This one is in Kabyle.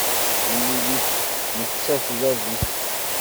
Timlilit netta d bab-is.